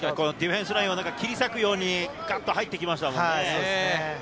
ディフェンスラインを切り裂くようにガッと入ってきましたよね。